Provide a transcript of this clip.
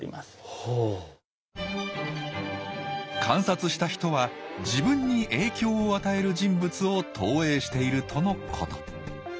観察した人は自分に影響を与える人物を投影しているとのこと。